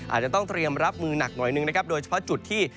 อาจจะต้องเตรียมรับมือหนักหน่อยหนึ่งนะครับโดยเฉพาะจุดที่